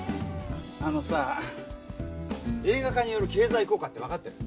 あのさ映画化による経済効果って分かってる？